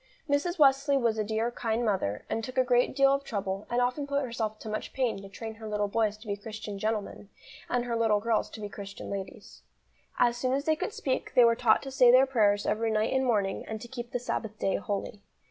Mrs. Wesley was a dear, kind mother, and took a great deal of trouble, and often put herself to much pain to train her little boys to be Christian gentlemen, and her little girls to be Christian ladies. As soon as they could speak, they were taught to say their prayers every night and morning, and to keep the Sabbath day holy.